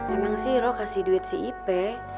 emang sih lo kasih duit si ipek